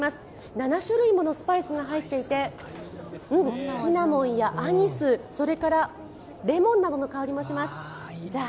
７種類ものスパイスが入っていてシナモンやアニス、それからレモンなどの香りもします。